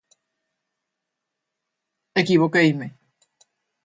Equivoqueime.